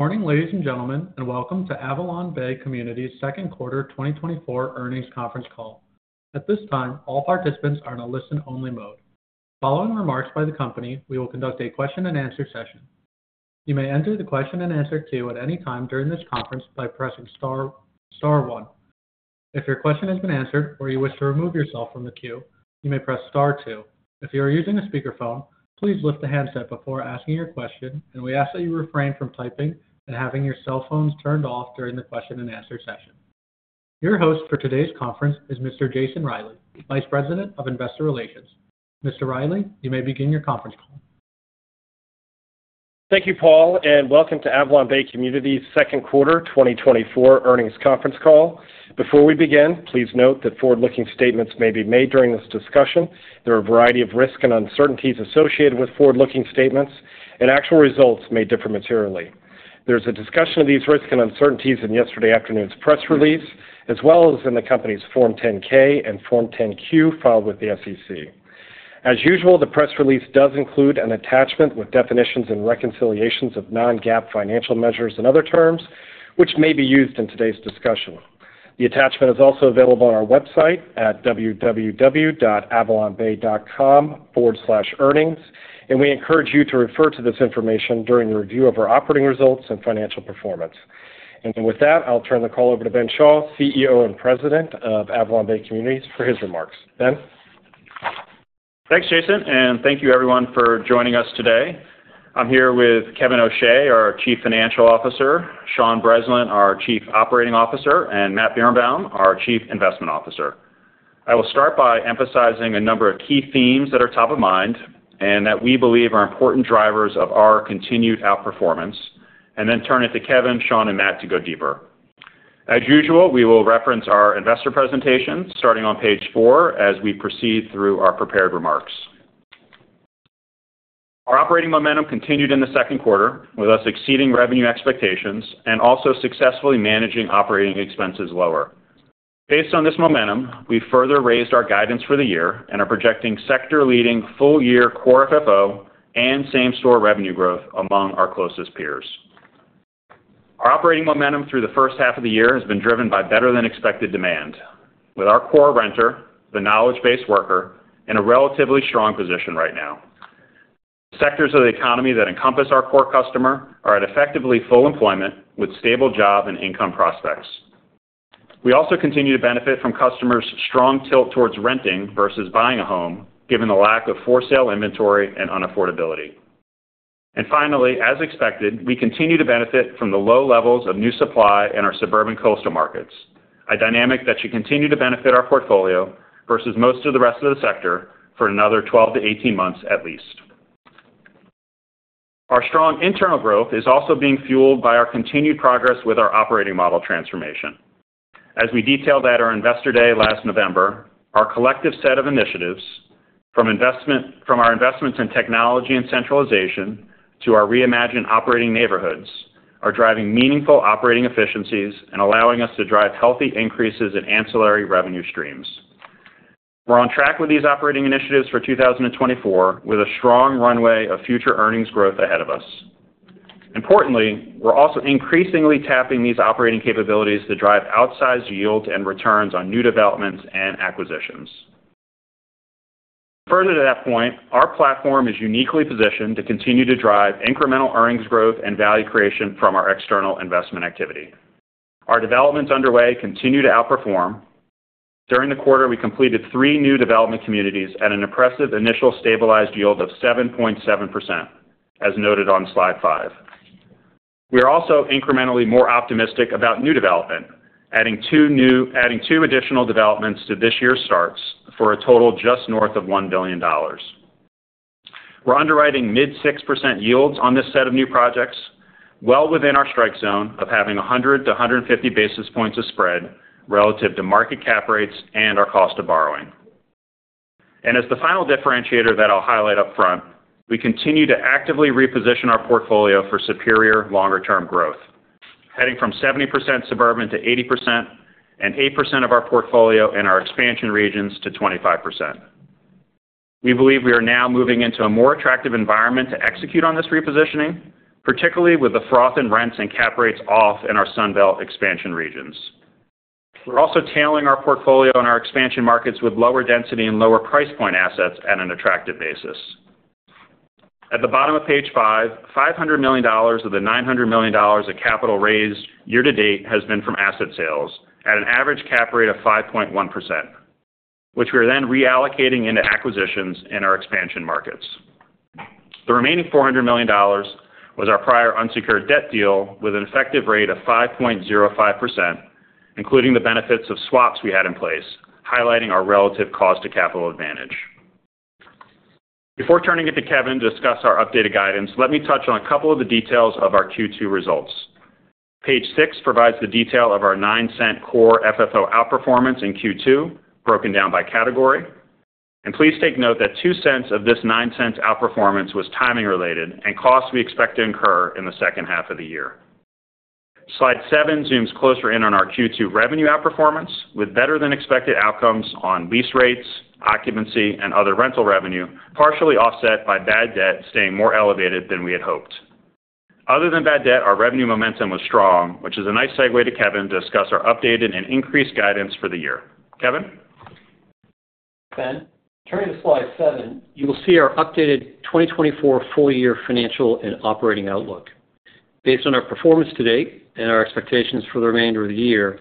Morning, ladies and gentlemen, and welcome to AvalonBay Communities' Second Quarter 2024 Earnings Conference Call. At this time, all participants are in a listen-only mode. Following remarks by the company, we will conduct a question-and-answer session. You may enter the question-and-answer queue at any time during this conference by pressing Star one. If your question has been answered or you wish to remove yourself from the queue, you may press Star two. If you are using a speakerphone, please lift the handset before asking your question, and we ask that you refrain from typing and having your cell phones turned off during the question-and-answer session. Your host for today's conference is Mr. Jason Reilley, Vice President of Investor Relations. Mr. Reilley, you may begin your conference call. Thank you, Paul, and welcome to AvalonBay Communities' Second Quarter 2024 Earnings Conference Call. Before we begin, please note that forward-looking statements may be made during this discussion. There are a variety of risks and uncertainties associated with forward-looking statements, and actual results may differ materially. There's a discussion of these risks and uncertainties in yesterday afternoon's press release, as well as in the company's Form 10-K and Form 10-Q filed with the SEC. As usual, the press release does include an attachment with definitions and reconciliations of non-GAAP financial measures and other terms, which may be used in today's discussion. The attachment is also available on our website at www.avalonbay.com/earnings, and we encourage you to refer to this information during your review of our operating results and financial performance. With that, I'll turn the call over to Ben Schall, CEO and President of AvalonBay Communities, for his remarks. Ben. Thanks, Jason, and thank you, everyone, for joining us today. I'm here with Kevin O'Shea, our Chief Financial Officer; Sean Breslin, our Chief Operating Officer; and Matt Birenbaum, our Chief Investment Officer. I will start by emphasizing a number of key themes that are top of mind and that we believe are important drivers of our continued outperformance, and then turn it to Kevin, Sean, and Matt to go deeper. As usual, we will reference our investor presentations starting on page four as we proceed through our prepared remarks. Our operating momentum continued in the second quarter, with us exceeding revenue expectations and also successfully managing operating expenses lower. Based on this momentum, we further raised our guidance for the year and are projecting sector-leading full-year core FFO and same-store revenue growth among our closest peers. Our operating momentum through the first half of the year has been driven by better-than-expected demand, with our core renter, the knowledge-based worker, in a relatively strong position right now. The sectors of the economy that encompass our core customer are at effectively full employment with stable job and income prospects. We also continue to benefit from customers' strong tilt towards renting versus buying a home, given the lack of for-sale inventory and unaffordability. And finally, as expected, we continue to benefit from the low levels of new supply in our suburban coastal markets, a dynamic that should continue to benefit our portfolio versus most of the rest of the sector for another 12-18 months at least. Our strong internal growth is also being fueled by our continued progress with our operating model transformation. As we detailed at our Investor Day last November, our collective set of initiatives, from our investments in technology and centralization to our reimagined operating neighborhoods, are driving meaningful operating efficiencies and allowing us to drive healthy increases in ancillary revenue streams. We're on track with these operating initiatives for 2024, with a strong runway of future earnings growth ahead of us. Importantly, we're also increasingly tapping these operating capabilities to drive outsized yields and returns on new developments and acquisitions. Further to that point, our platform is uniquely positioned to continue to drive incremental earnings growth and value creation from our external investment activity. Our developments underway continue to outperform. During the quarter, we completed three new development communities at an impressive initial stabilized yield of 7.7%, as noted on slide five. We are also incrementally more optimistic about new development, adding two additional developments to this year's starts for a total just north of $1 billion. We're underwriting mid-6% yields on this set of new projects, well within our strike zone of having 100-150 basis points of spread relative to market cap rates and our cost of borrowing. As the final differentiator that I'll highlight upfront, we continue to actively reposition our portfolio for superior longer-term growth, heading from 70% suburban to 80% and 8% of our portfolio in our expansion regions to 25%. We believe we are now moving into a more attractive environment to execute on this repositioning, particularly with the froth in rents and cap rates off in our Sunbelt expansion regions. We're also tailoring our portfolio and our expansion markets with lower density and lower price point assets at an attractive basis. At the bottom of page five, $500 million of the $900 million of capital raised year-to-date has been from asset sales at an average cap rate of 5.1%, which we are then reallocating into acquisitions in our expansion markets. The remaining $400 million was our prior unsecured debt deal with an effective rate of 5.05%, including the benefits of swaps we had in place, highlighting our relative cost of capital advantage. Before turning it to Kevin to discuss our updated guidance, let me touch on a couple of the details of our Q2 results. Page 6 provides the detail of our $0.09 core FFO outperformance in Q2, broken down by category. Please take note that $0.02 of this $0.09 outperformance was timing-related and costs we expect to incur in the second half of the year. Slide seven zooms closer in on our Q2 revenue outperformance, with better-than-expected outcomes on lease rates, occupancy, and other rental revenue, partially offset by bad debt staying more elevated than we had hoped. Other than bad debt, our revenue momentum was strong, which is a nice segue to Kevin to discuss our updated and increased guidance for the year. Kevin? Ben, turning to slide seven, you will see our updated 2024 full-year financial and operating outlook. Based on our performance to date and our expectations for the remainder of the year,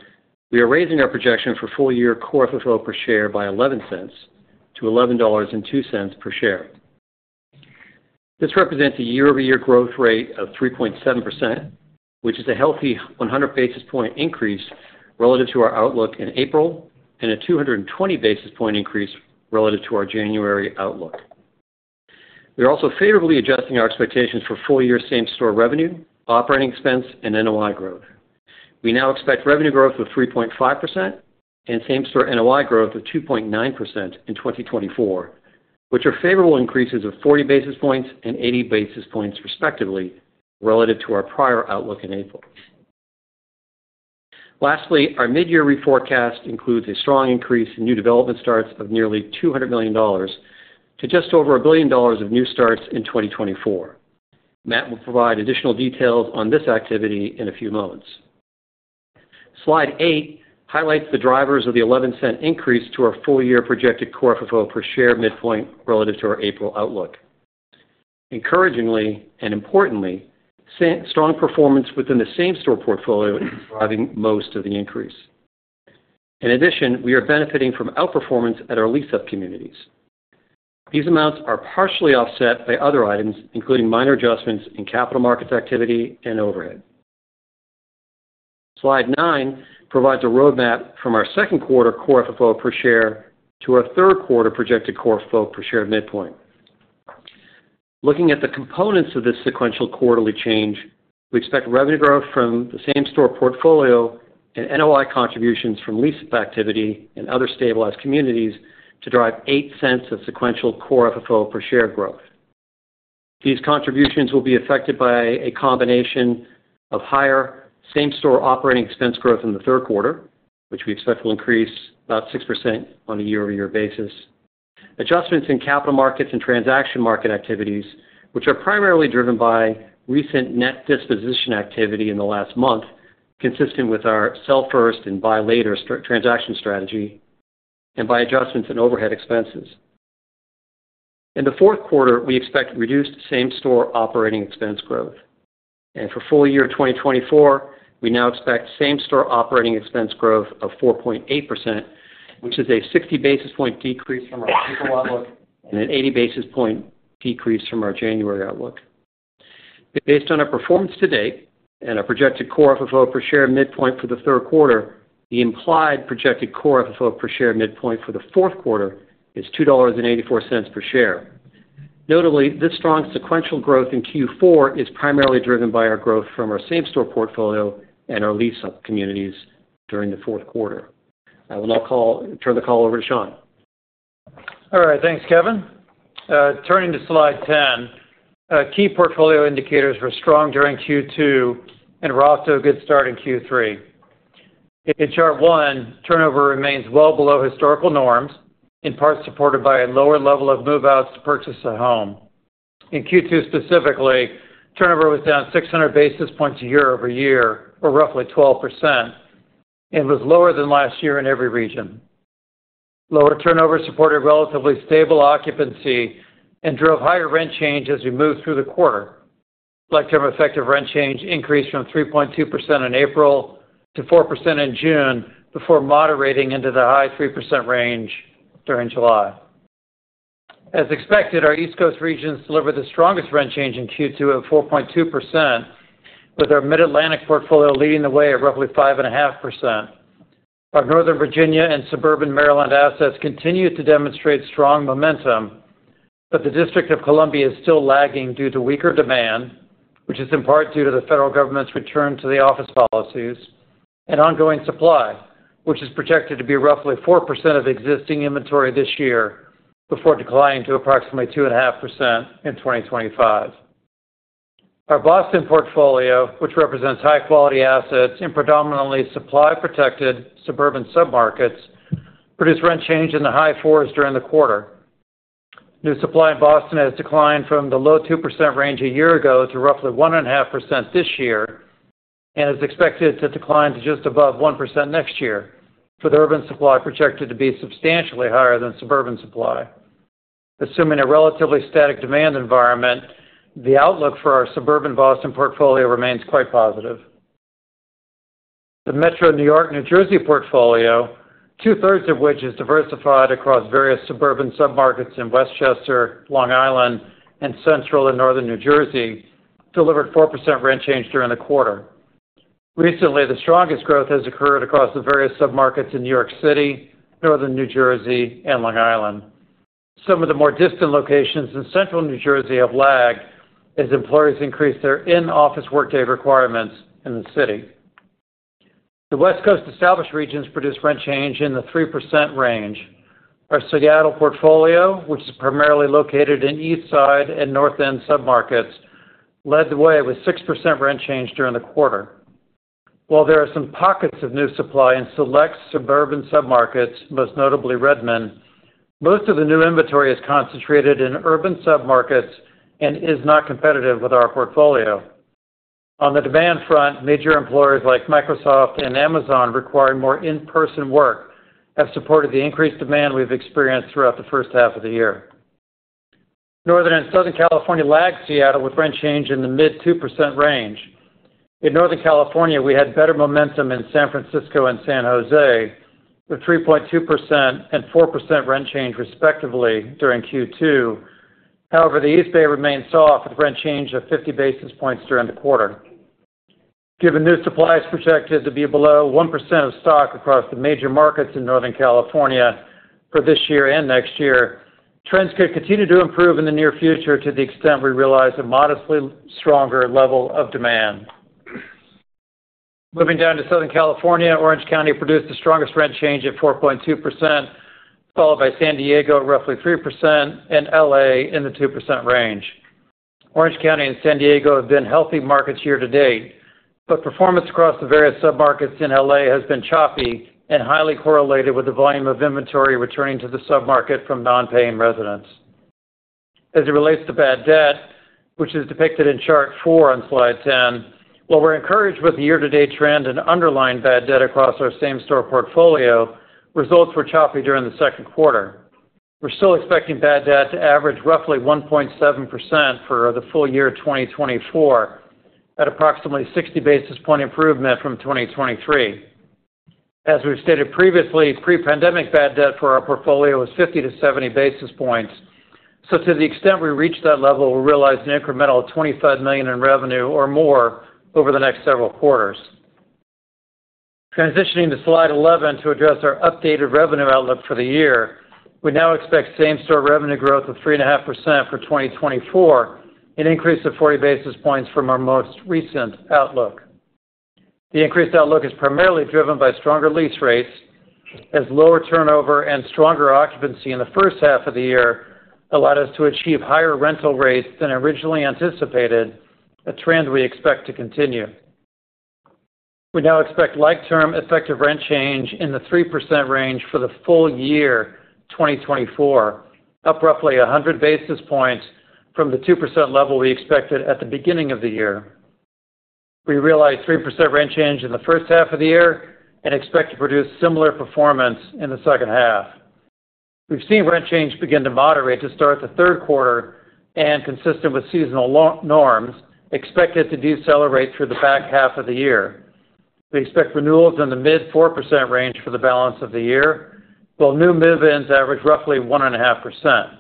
we are raising our projection for full-year core FFO per share by $0.11 to $11.02 per share. This represents a year-over-year growth rate of 3.7%, which is a healthy 100 basis point increase relative to our outlook in April and a 220 basis point increase relative to our January outlook. We are also favorably adjusting our expectations for full-year same-store revenue, operating expense, and NOI growth. We now expect revenue growth of 3.5% and same-store NOI growth of 2.9% in 2024, which are favorable increases of 40 basis points and 80 basis points respectively relative to our prior outlook in April. Lastly, our mid-year reforecast includes a strong increase in new development starts of nearly $200 million to just over $1 billion of new starts in 2024. Matt will provide additional details on this activity in a few moments. Slide eight highlights the drivers of the $0.11 increase to our full-year projected core FFO per share midpoint relative to our April outlook. Encouragingly and importantly, strong performance within the same-store portfolio is driving most of the increase. In addition, we are benefiting from outperformance at our lease-up communities. These amounts are partially offset by other items, including minor adjustments in capital markets activity and overhead. Slide nine provides a roadmap from our second quarter core FFO per share to our third quarter projected core FFO per share midpoint. Looking at the components of this sequential quarterly change, we expect revenue growth from the same-store portfolio and NOI contributions from lease-up activity and other stabilized communities to drive $0.08 of sequential core FFO per share growth. These contributions will be affected by a combination of higher same-store operating expense growth in the third quarter, which we expect will increase about 6% on a year-over-year basis, adjustments in capital markets and transaction market activities, which are primarily driven by recent net disposition activity in the last month, consistent with our sell-first and buy-later transaction strategy, and by adjustments in overhead expenses. In the fourth quarter, we expect reduced same-store operating expense growth. For full-year 2024, we now expect same-store operating expense growth of 4.8%, which is a 60 basis point decrease from our April outlook and an 80 basis point decrease from our January outlook. Based on our performance to date and our projected core FFO per share midpoint for the third quarter, the implied projected core FFO per share midpoint for the fourth quarter is $2.84 per share. Notably, this strong sequential growth in Q4 is primarily driven by our growth from our same-store portfolio and our lease-up communities during the fourth quarter. I will now turn the call over to Sean. All right. Thanks, Kevin. Turning to slide 10, key portfolio indicators were strong during Q2 and were off to a good start in Q3. In chart one, turnover remains well below historical norms, in part supported by a lower level of move-outs to purchase a home. In Q2 specifically, turnover was down 600 basis points year-over-year, or roughly 12%, and was lower than last year in every region. Lower turnover supported relatively stable occupancy and drove higher rent change as we moved through the quarter. Overall effective rent change increased from 3.2% in April to 4% in June before moderating into the high 3% range during July. As expected, our East Coast regions delivered the strongest rent change in Q2 of 4.2%, with our Mid-Atlantic portfolio leading the way at roughly 5.5%. Our Northern Virginia and suburban Maryland assets continue to demonstrate strong momentum, but the District of Columbia is still lagging due to weaker demand, which is in part due to the federal government's return to the office policies, and ongoing supply, which is projected to be roughly 4% of existing inventory this year before declining to approximately 2.5% in 2025. Our Boston portfolio, which represents high-quality assets in predominantly supply-protected suburban submarkets, produced rent change in the high fours during the quarter. New supply in Boston has declined from the low 2% range a year ago to roughly 1.5% this year and is expected to decline to just above 1% next year, with urban supply projected to be substantially higher than suburban supply. Assuming a relatively static demand environment, the outlook for our suburban Boston portfolio remains quite positive. The Metro New York-New Jersey portfolio, 2/3 of which is diversified across various suburban submarkets in Westchester, Long Island, and Central and Northern New Jersey, delivered 4% rent change during the quarter. Recently, the strongest growth has occurred across the various submarkets in New York City, Northern New Jersey, and Long Island. Some of the more distant locations in Central New Jersey have lagged as employers increased their in-office workday requirements in the city. The West Coast established regions produced rent change in the 3% range. Our Seattle portfolio, which is primarily located in Eastside and North End submarkets, led the way with 6% rent change during the quarter. While there are some pockets of new supply in select suburban submarkets, most notably Redmond, most of the new inventory is concentrated in urban submarkets and is not competitive with our portfolio. On the demand front, major employers like Microsoft and Amazon requiring more in-person work have supported the increased demand we've experienced throughout the first half of the year. Northern and Southern California lagged Seattle with rent change in the mid-2% range. In Northern California, we had better momentum in San Francisco and San Jose with 3.2% and 4% rent change respectively during Q2. However, the East Bay remained soft with rent change of 50 basis points during the quarter. Given new supply is projected to be below 1% of stock across the major markets in Northern California for this year and next year, trends could continue to improve in the near future to the extent we realize a modestly stronger level of demand. Moving down to Southern California, Orange County produced the strongest rent change at 4.2%, followed by San Diego at roughly 3% and LA in the 2% range. Orange County and San Diego have been healthy markets year-to-date, but performance across the various submarkets in LA has been choppy and highly correlated with the volume of inventory returning to the submarket from non-paying residents. As it relates to bad debt, which is depicted in chart four on slide 10, while we're encouraged with the year-to-date trend and underlying bad debt across our same-store portfolio, results were choppy during the second quarter. We're still expecting bad debt to average roughly 1.7% for the full year of 2024 at approximately 60 basis points improvement from 2023. As we've stated previously, pre-pandemic bad debt for our portfolio was 50-70 basis points. So to the extent we reach that level, we realize an incremental of $25 million in revenue or more over the next several quarters. Transitioning to slide 11 to address our updated revenue outlook for the year, we now expect same-store revenue growth of 3.5% for 2024, an increase of 40 basis points from our most recent outlook. The increased outlook is primarily driven by stronger lease rates as lower turnover and stronger occupancy in the first half of the year allowed us to achieve higher rental rates than originally anticipated, a trend we expect to continue. We now expect like-term effective rent change in the 3% range for the full year 2024, up roughly 100 basis points from the 2% level we expected at the beginning of the year. We realize 3% rent change in the first half of the year and expect to produce similar performance in the second half. We've seen rent change begin to moderate to start the third quarter and, consistent with seasonal norms, expect it to decelerate through the back half of the year. We expect renewals in the mid-4% range for the balance of the year, while new move-ins average roughly 1.5%.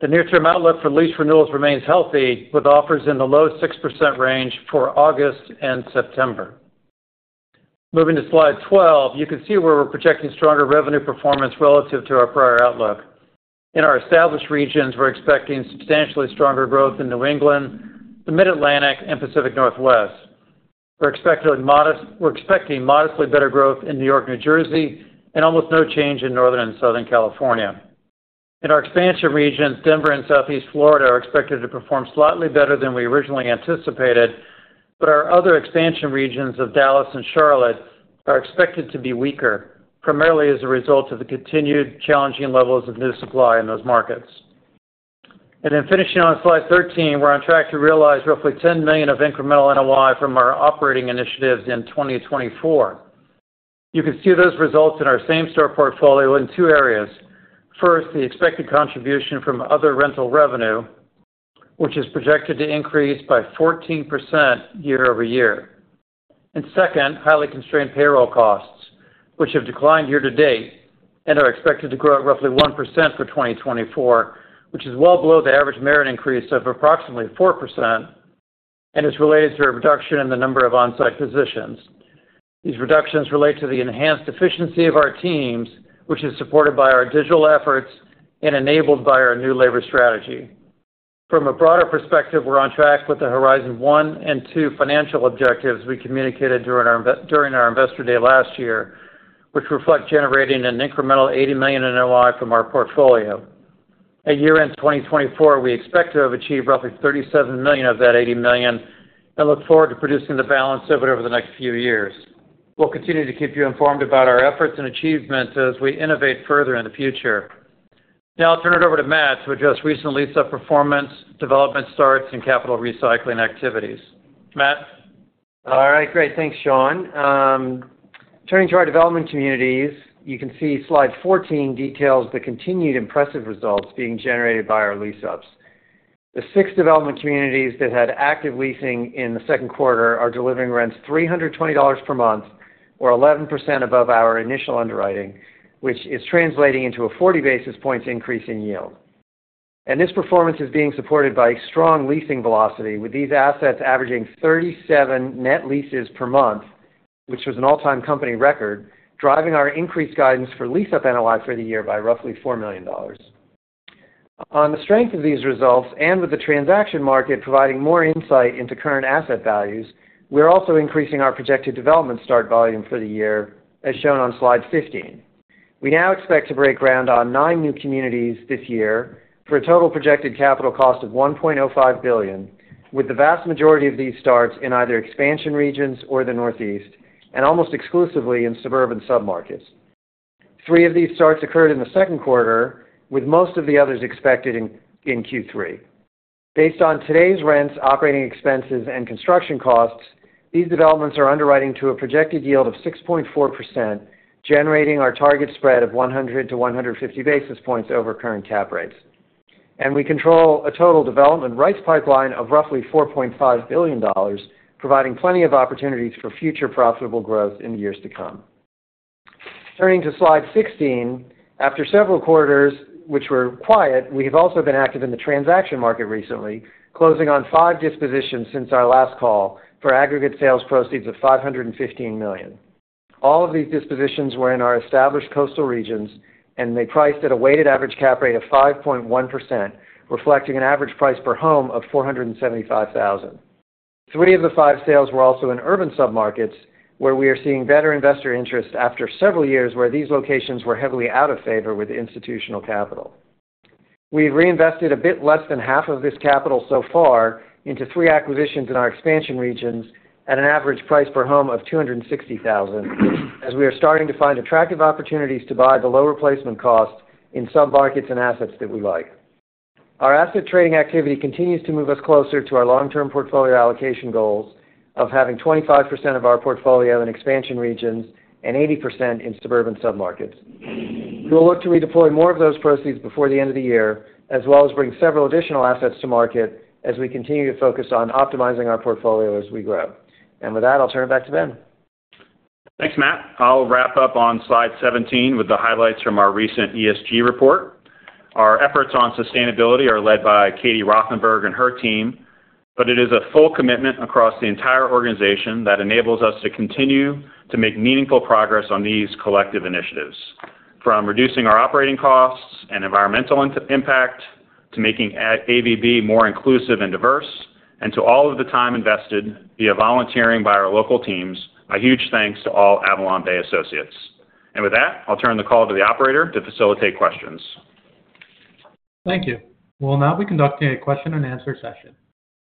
The near-term outlook for lease renewals remains healthy, with offers in the low 6% range for August and September. Moving to slide 12, you can see where we're projecting stronger revenue performance relative to our prior outlook. In our established regions, we're expecting substantially stronger growth in New England, the Mid-Atlantic, and Pacific Northwest. We're expecting modestly better growth in New York, New Jersey, and almost no change in Northern and Southern California. In our expansion regions, Denver and Southeast Florida are expected to perform slightly better than we originally anticipated, but our other expansion regions of Dallas and Charlotte are expected to be weaker, primarily as a result of the continued challenging levels of new supply in those markets. Then finishing on slide 13, we're on track to realize roughly $10 million of incremental NOI from our operating initiatives in 2024. You can see those results in our same-store portfolio in two areas. First, the expected contribution from other rental revenue, which is projected to increase by 14% year-over-year. Second, highly constrained payroll costs, which have declined year-to-date and are expected to grow at roughly 1% for 2024, which is well below the average merit increase of approximately 4% and is related to a reduction in the number of on-site positions. These reductions relate to the enhanced efficiency of our teams, which is supported by our digital efforts and enabled by our new labor strategy. From a broader perspective, we're on track with the Horizon One and Two financial objectives we communicated during our investor day last year, which reflect generating an incremental $80 million in NOI from our portfolio. A year in 2024, we expect to have achieved roughly $37 million of that $80 million and look forward to producing the balance of it over the next few years. We'll continue to keep you informed about our efforts and achievements as we innovate further in the future. Now I'll turn it over to Matt to address recent lease-up performance, development starts, and capital recycling activities. Matt. All right. Great. Thanks, Sean. Turning to our development communities, you can see slide 14 details the continued impressive results being generated by our lease-ups. The six development communities that had active leasing in the second quarter are delivering rents $320 per month, or 11% above our initial underwriting, which is translating into a 40 basis points increase in yield. And this performance is being supported by strong leasing velocity, with these assets averaging 37 net leases per month, which was an all-time company record, driving our increased guidance for lease-up NOI for the year by roughly $4 million. On the strength of these results and with the transaction market providing more insight into current asset values, we're also increasing our projected development start volume for the year, as shown on slide 15. We now expect to break ground on 9 new communities this year for a total projected capital cost of $1.05 billion, with the vast majority of these starts in either expansion regions or the Northeast, and almost exclusively in suburban submarkets. Three of these starts occurred in the second quarter, with most of the others expected in Q3. Based on today's rents, operating expenses, and construction costs, these developments are underwriting to a projected yield of 6.4%, generating our target spread of 100-150 basis points over current cap rates. We control a total development rights pipeline of roughly $4.5 billion, providing plenty of opportunities for future profitable growth in the years to come. Turning to slide 16, after several quarters, which were quiet, we have also been active in the transaction market recently, closing on five dispositions since our last call for aggregate sales proceeds of $515 million. All of these dispositions were in our established coastal regions, and they priced at a weighted average cap rate of 5.1%, reflecting an average price per home of $475,000. Three of the five sales were also in urban submarkets, where we are seeing better investor interest after several years where these locations were heavily out of favor with institutional capital. We've reinvested a bit less than half of this capital so far into three acquisitions in our expansion regions at an average price per home of $260,000, as we are starting to find attractive opportunities to buy below replacement costs in submarkets and assets that we like. Our asset trading activity continues to move us closer to our long-term portfolio allocation goals of having 25% of our portfolio in expansion regions and 80% in suburban submarkets. We will look to redeploy more of those proceeds before the end of the year, as well as bring several additional assets to market as we continue to focus on optimizing our portfolio as we grow. With that, I'll turn it back to Ben. Thanks, Matt. I'll wrap up on slide 17 with the highlights from our recent ESG report. Our efforts on sustainability are led by Katie Rothenberg and her team, but it is a full commitment across the entire organization that enables us to continue to make meaningful progress on these collective initiatives. From reducing our operating costs and environmental impact to making AVB more inclusive and diverse, and to all of the time invested via volunteering by our local teams, a huge thanks to all AvalonBay associates. With that, I'll turn the call to the operator to facilitate questions. Thank you. We'll now be conducting a question-and-answer session.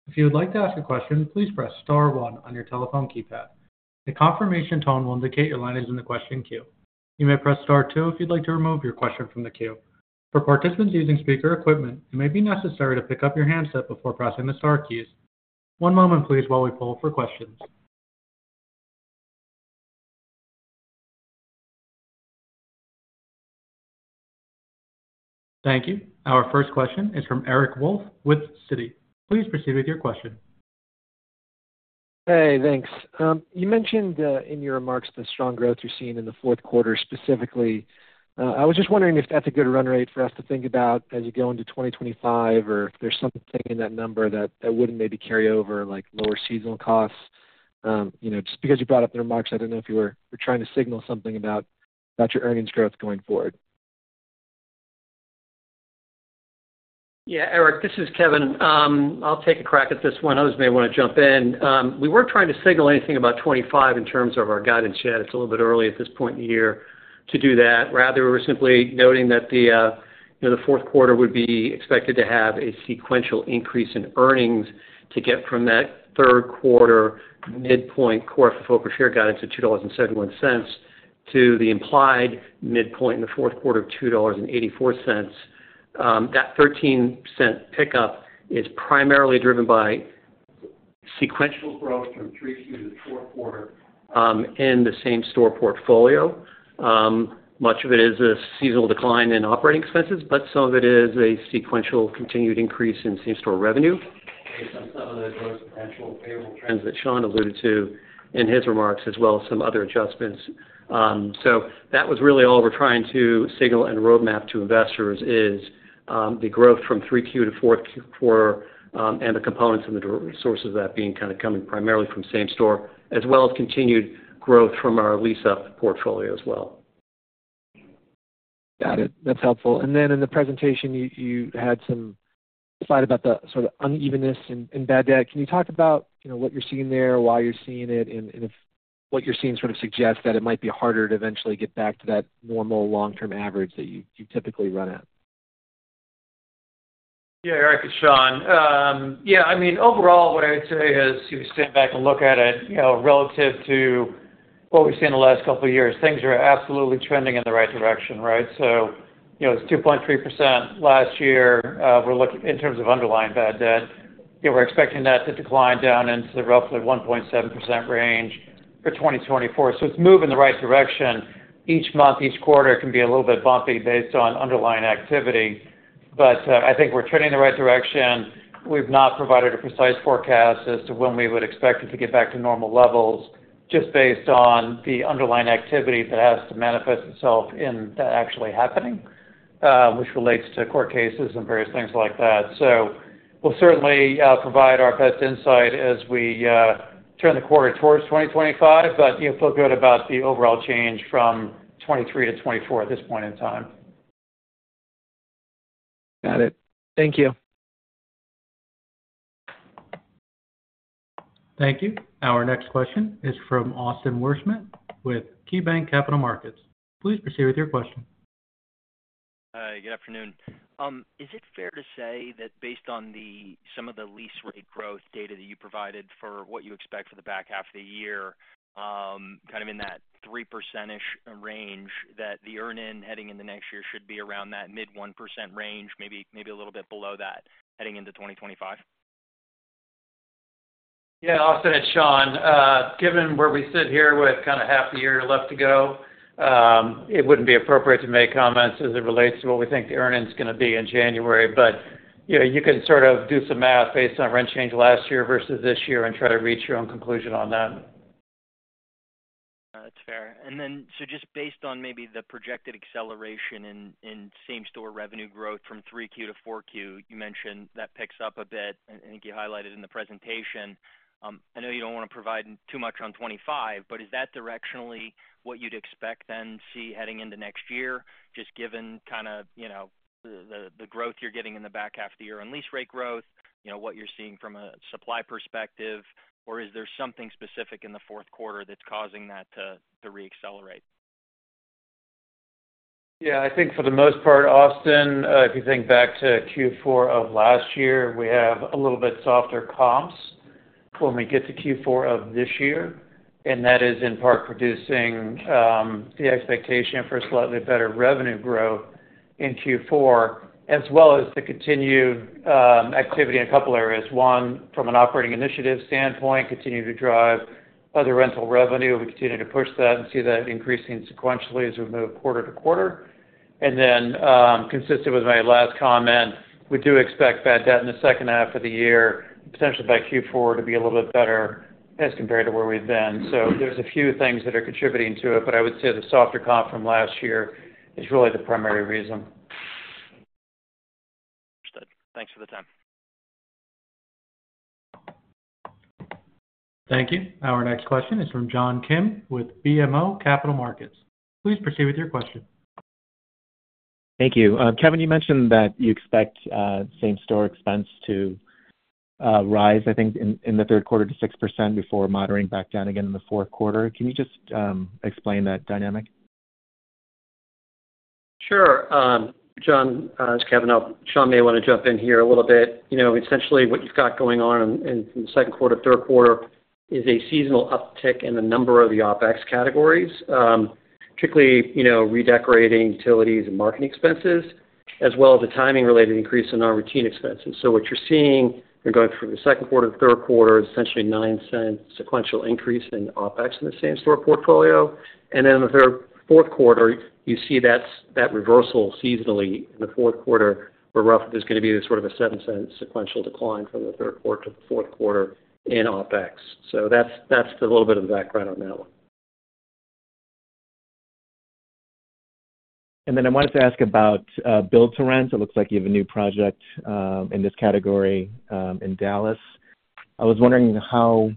If you would like to ask a question, please press Star one on your telephone keypad. A confirmation tone will indicate your line is in the question queue. You may press Star two if you'd like to remove your question from the queue. For participants using speaker equipment, it may be necessary to pick up your handset before pressing the Star keys. One moment, please, while we poll for questions. Thank you. Our first question is from Eric Wolfe with Citi. Please proceed with your question. Hey, thanks. You mentioned in your remarks the strong growth you're seeing in the fourth quarter specifically. I was just wondering if that's a good run rate for us to think about as you go into 2025, or if there's something in that number that wouldn't maybe carry over, like lower seasonal costs. Just because you brought up the remarks, I didn't know if you were trying to signal something about your earnings growth going forward. Yeah, Eric, this is Kevin. I'll take a crack at this one. I was maybe want to jump in. We weren't trying to signal anything about 2025 in terms of our guidance yet. It's a little bit early at this point in the year to do that. Rather, we were simply noting that the fourth quarter would be expected to have a sequential increase in earnings to get from that third quarter midpoint core FFO per share guidance at $2.71 to the implied midpoint in the fourth quarter of $2.84. That 13% pickup is primarily driven by sequential growth from three through the fourth quarter in the same-store portfolio. Much of it is a seasonal decline in operating expenses, but some of it is a sequential continued increase in same-store revenue based on some of the growth potential favorable trends that Sean alluded to in his remarks, as well as some other adjustments. So that was really all we're trying to signal and roadmap to investors is the growth from 3Q to fourth quarter and the components and the sources of that being kind of coming primarily from same-store, as well as continued growth from our lease-up portfolio as well. Got it. That's helpful. Then in the presentation, you had some slide about the sort of unevenness in bad debt. Can you talk about what you're seeing there, why you're seeing it, and what you're seeing sort of suggests that it might be harder to eventually get back to that normal long-term average that you typically run at? Yeah, Eric, it's Sean. Yeah, I mean, overall, what I would say is if you stand back and look at it relative to what we've seen the last couple of years, things are absolutely trending in the right direction, right? So it's 2.3% last year in terms of underlying bad debt. We're expecting that to decline down into the roughly 1.7% range for 2024. So it's moving in the right direction. Each month, each quarter can be a little bit bumpy based on underlying activity. But I think we're trending in the right direction. We've not provided a precise forecast as to when we would expect it to get back to normal levels, just based on the underlying activity that has to manifest itself in that actually happening, which relates to court cases and various things like that. We'll certainly provide our best insight as we turn the quarter towards 2025, but feel good about the overall change from 2023 to 2024 at this point in time. Got it. Thank you. Thank you. Our next question is from Austin Wurschmidt with KeyBanc Capital Markets. Please proceed with your question. Hi, good afternoon. Is it fair to say that based on some of the lease rate growth data that you provided for what you expect for the back half of the year, kind of in that 3%-ish range, that the earnings heading into the next year should be around that mid-1% range, maybe a little bit below that heading into 2025? Yeah, I'll say it's Sean. Given where we sit here with kind of half a year left to go, it wouldn't be appropriate to make comments as it relates to what we think the earnings are going to be in January. But you can sort of do some math based on rent change last year versus this year and try to reach your own conclusion on that. That's fair. And then so just based on maybe the projected acceleration in same-store revenue growth from 3Q to 4Q, you mentioned that picks up a bit, and I think you highlighted in the presentation. I know you don't want to provide too much on 2025, but is that directionally what you'd expect then see heading into next year, just given kind of the growth you're getting in the back half of the year on lease rate growth, what you're seeing from a supply perspective, or is there something specific in the fourth quarter that's causing that to re-accelerate? Yeah, I think for the most part, Austin, if you think back to Q4 of last year, we have a little bit softer comps when we get to Q4 of this year. And that is in part producing the expectation for slightly better revenue growth in Q4, as well as the continued activity in a couple of areas. One, from an operating initiative standpoint, continue to drive other rental revenue. We continue to push that and see that increasing sequentially as we move quarter to quarter. And then, consistent with my last comment, we do expect bad debt in the second half of the year, potentially by Q4, to be a little bit better as compared to where we've been. So there's a few things that are contributing to it, but I would say the softer comp from last year is really the primary reason. Understood. Thanks for the time. Thank you. Our next question is from John Kim with BMO Capital Markets. Please proceed with your question. Thank you. Kevin, you mentioned that you expect same-store expense to rise, I think, in the third quarter to 6% before moderating back down again in the fourth quarter. Can you just explain that dynamic? Sure. John, as Kevin helped, Sean may want to jump in here a little bit. Essentially, what you've got going on in the second quarter, third quarter, is a seasonal uptick in the number of the OPEX categories, particularly redecorating, utilities, and marketing expenses, as well as a timing-related increase in our routine expenses. So what you're seeing going through the second quarter and third quarter is essentially a $0.09 sequential increase in OPEX in the same-store portfolio. And then in the fourth quarter, you see that reversal seasonally in the fourth quarter, where roughly there's going to be sort of a $0.07 sequential decline from the third quarter to the fourth quarter in OPEX. So that's a little bit of the background on that one. And then I wanted to ask about build-to-rent. It looks like you have a new project in this category in Dallas. I was wondering how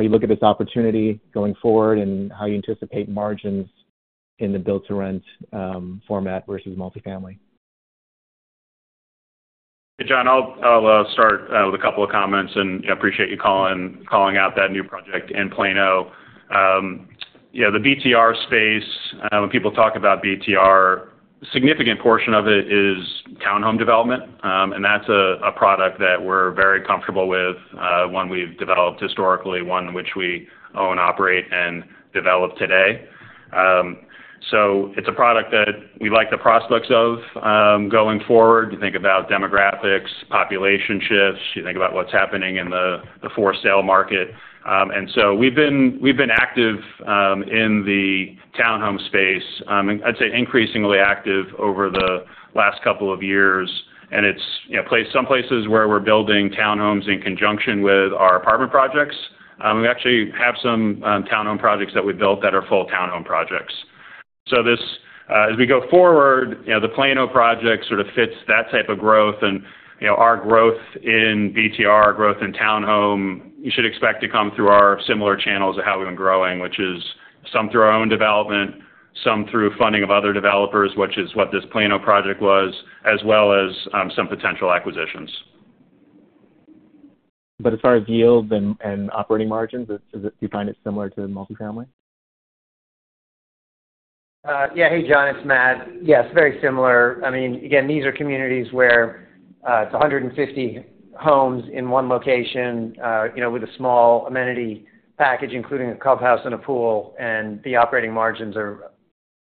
you look at this opportunity going forward and how you anticipate margins in the build-to-rent format versus multifamily? Hey, John, I'll start with a couple of comments, and I appreciate you calling out that new project in Plano. Yeah, the BTR space, when people talk about BTR, a significant portion of it is townhome development, and that's a product that we're very comfortable with, one we've developed historically, one which we own and operate and develop today. So it's a product that we like the prospects of going forward. You think about demographics, population shifts, you think about what's happening in the for-sale market. And so we've been active in the townhome space, I'd say increasingly active over the last couple of years, and it's placed some places where we're building townhomes in conjunction with our apartment projects. We actually have some townhome projects that we've built that are full townhome projects. So as we go forward, the Plano project sort of fits that type of growth. Our growth in BTR, our growth in townhome, you should expect to come through our similar channels of how we've been growing, which is some through our own development, some through funding of other developers, which is what this Plano project was, as well as some potential acquisitions. As far as yield and operating margins, do you find it similar to multifamily? Yeah, hey, John, it's Matt. Yes, very similar. I mean, again, these are communities where it's 150 homes in one location with a small amenity package, including a clubhouse and a pool, and the operating margins are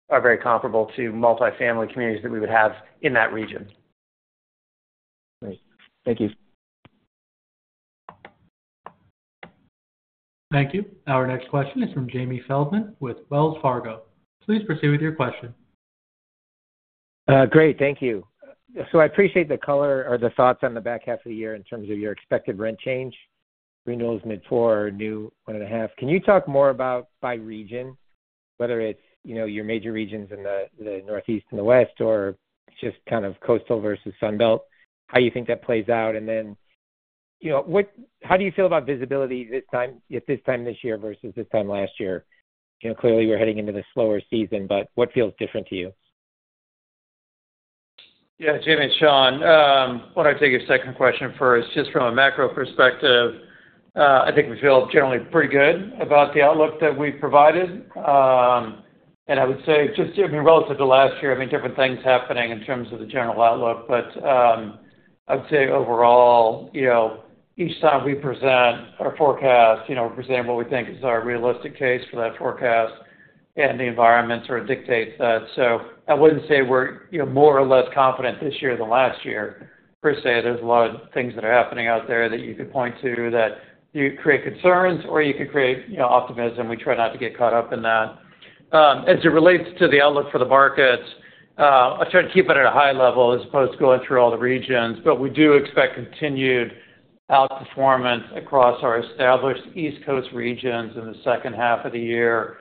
very comparable to multifamily communities that we would have in that region. Great. Thank you. Thank you. Our next question is from Jamie Feldman with Wells Fargo. Please proceed with your question. Great. Thank you. So I appreciate the color or the thoughts on the back half of the year in terms of your expected rent change, renewals mid-4%, new 1.5%. Can you talk more about by region, whether it's your major regions in the Northeast and the West, or just kind of coastal versus Sun Belt, how you think that plays out? And then how do you feel about visibility this time this year versus this time last year? Clearly, we're heading into the slower season, but what feels different to you? Yeah, Jamie it's Sean, why don't I take your second question first? Just from a macro perspective, I think we feel generally pretty good about the outlook that we've provided. And I would say just relative to last year, I mean, different things happening in terms of the general outlook. But I would say overall, each time we present our forecast, we present what we think is our realistic case for that forecast, and the environment sort of dictates that. So I wouldn't say we're more or less confident this year than last year. Per se, there's a lot of things that are happening out there that you could point to that create concerns, or you could create optimism. We try not to get caught up in that. As it relates to the outlook for the markets, I try to keep it at a high level as opposed to going through all the regions, but we do expect continued outperformance across our established East Coast regions in the second half of the year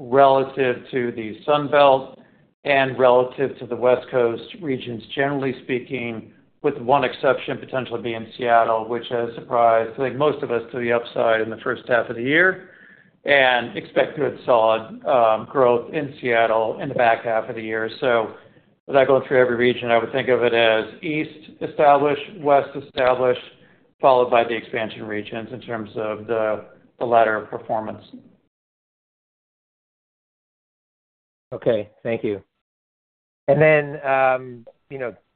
relative to the Sunbelt and relative to the West Coast regions, generally speaking, with one exception potentially being Seattle, which has surprised I think most of us to the upside in the first half of the year and expect good solid growth in Seattle in the back half of the year. So without going through every region, I would think of it as East established, West established, followed by the expansion regions in terms of the latter performance. Okay. Thank you. And then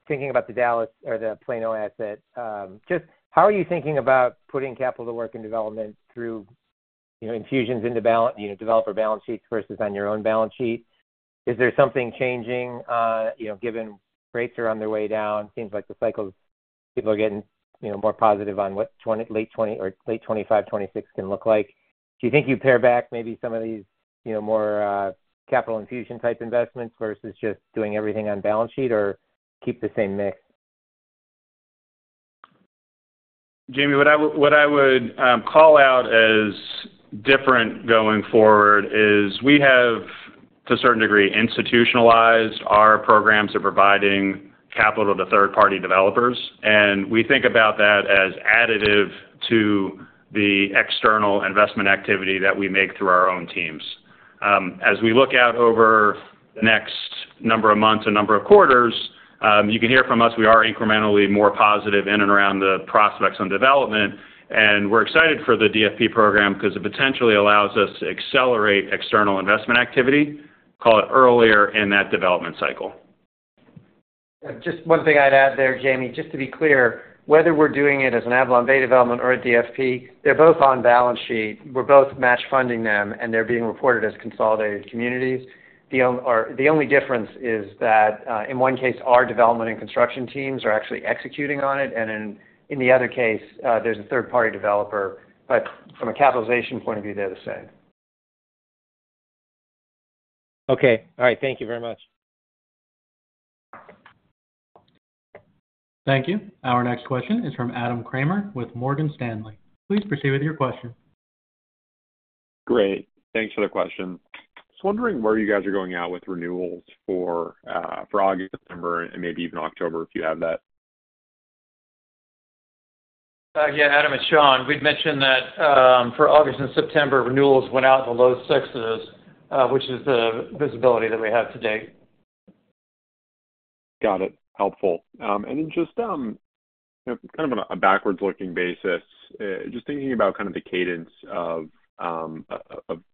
thinking about the Dallas or the Plano asset, just how are you thinking about putting capital to work in development through infusions into developer balance sheets versus on your own balance sheet? Is there something changing given rates are on their way down? Seems like the cycle people are getting more positive on what late 2025, 2026 can look like. Do you think you'd pare back maybe some of these more capital infusion type investments versus just doing everything on balance sheet or keep the same mix? Jamie, what I would call out as different going forward is we have, to a certain degree, institutionalized our programs of providing capital to third-party developers. We think about that as additive to the external investment activity that we make through our own teams. As we look out over the next number of months and number of quarters, you can hear from us, we are incrementally more positive in and around the prospects on development. We're excited for the DFP program because it potentially allows us to accelerate external investment activity, call it earlier in that development cycle. Just one thing I'd add there, Jamie, just to be clear, whether we're doing it as an AvalonBay development or a DFP, they're both on balance sheet. We're both match-funding them, and they're being reported as consolidated communities. The only difference is that in one case, our development and construction teams are actually executing on it, and in the other case, there's a third-party developer. But from a capitalization point of view, they're the same. Okay. All right. Thank you very much. Thank you. Our next question is from Adam Kramer with Morgan Stanley. Please proceed with your question. Great. Thanks for the question. I was wondering where you guys are going out with renewals for August, September, and maybe even October if you have that? Yeah, Adam it's Sean, we'd mentioned that for August and September, renewals went out in the low 6s, which is the visibility that we have today. Got it. Helpful. And then just kind of on a backwards-looking basis, just thinking about kind of the cadence of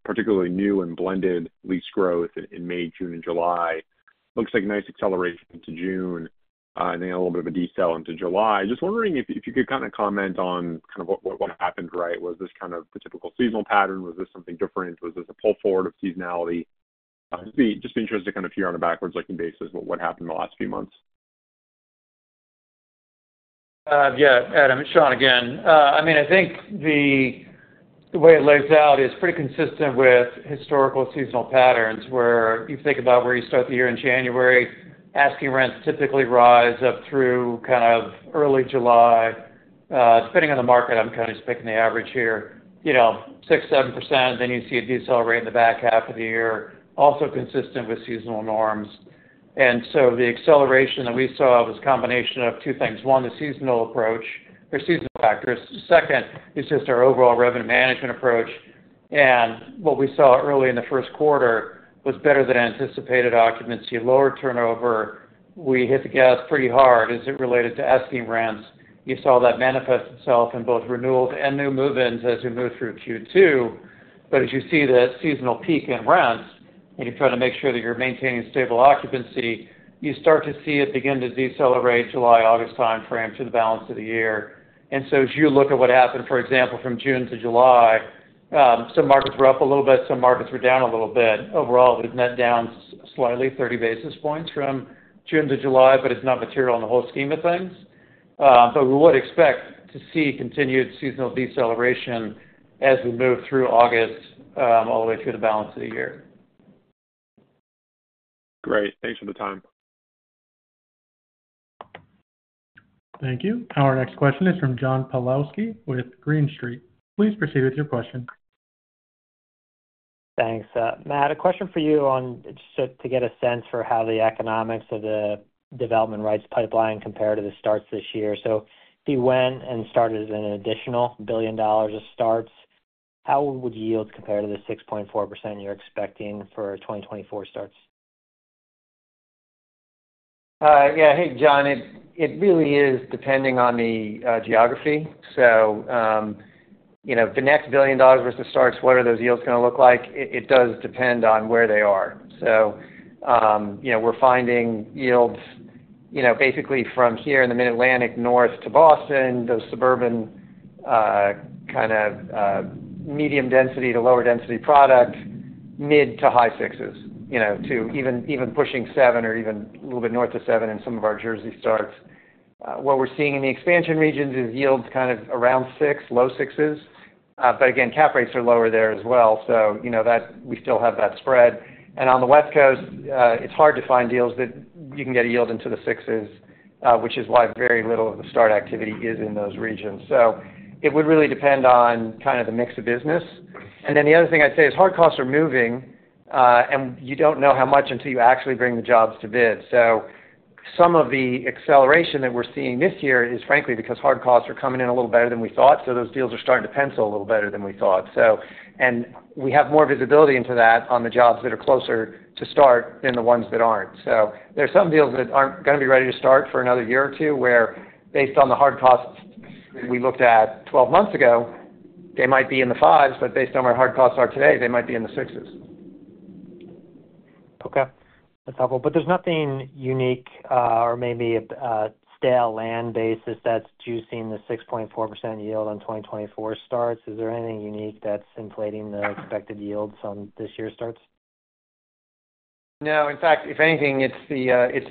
particularly new and blended lease growth in May, June, and July, looks like a nice acceleration to June, and then a little bit of a decel into July. Just wondering if you could kind of comment on kind of what happened, right? Was this kind of the typical seasonal pattern? Was this something different? Was this a pull forward of seasonality? Just being interested kind of here on a backwards-looking basis of what happened in the last few months. Yeah. Adam it's Sean again. I mean, I think the way it lays out is pretty consistent with historical seasonal patterns where you think about where you start the year in January, asking rents typically rise up through kind of early July, depending on the market. I'm kind of just picking the average here, 6%-7%, and then you see it decelerate in the back half of the year, also consistent with seasonal norms. And so the acceleration that we saw was a combination of two things. One, the seasonal approach or seasonal factors. Second, it's just our overall revenue management approach. And what we saw early in the first quarter was better than anticipated occupancy, lower turnover. We hit the gas pretty hard as it related to asking rents. You saw that manifest itself in both renewals and new move-ins as we move through Q2. But as you see the seasonal peak in rents, and you're trying to make sure that you're maintaining stable occupancy, you start to see it begin to decelerate in the July, August timeframe to the balance of the year. And so as you look at what happened, for example, from June to July, some markets were up a little bit, some markets were down a little bit. Overall, we've net down slightly, 30 basis points from June to July, but it's not material on the whole scheme of things. But we would expect to see continued seasonal deceleration as we move through August all the way through the balance of the year. Great. Thanks for the time. Thank you. Our next question is from John Pawlowski with Green Street. Please proceed with your question. Thanks. Matt, a question for you just to get a sense for how the economics of the development rights pipeline compare to the starts this year. So if he went and started as an additional $1 billion of starts, how would yields compare to the 6.4% you're expecting for 2024 starts? Yeah. Hey, John, it really is depending on the geography. So if the next $1 billion worth of starts, what are those yields going to look like? It does depend on where they are. So we're finding yields basically from here in the Mid-Atlantic north to Boston, those suburban kind of medium-density to lower-density product, mid- to high-6s, to even pushing 7 or even a little bit north of 7 in some of our Jersey starts. What we're seeing in the expansion regions is yields kind of around 6, low-6s. But again, cap rates are lower there as well. So we still have that spread. And on the West Coast, it's hard to find deals that you can get a yield into the 6s, which is why very little of the start activity is in those regions. It would really depend on kind of the mix of business. Then the other thing I'd say is hard costs are moving, and you don't know how much until you actually bring the jobs to bid. So some of the acceleration that we're seeing this year is frankly because hard costs are coming in a little better than we thought. So those deals are starting to pencil a little better than we thought. And we have more visibility into that on the jobs that are closer to start than the ones that aren't. So there are some deals that aren't going to be ready to start for another year or two where, based on the hard costs we looked at 12 months ago, they might be in the 5s, but based on where hard costs are today, they might be in the 6s. Okay. That's helpful. But there's nothing unique or maybe a stale land basis that's juicing the 6.4% yield on 2024 starts. Is there anything unique that's inflating the expected yields on this year's starts? No. In fact, if anything, it's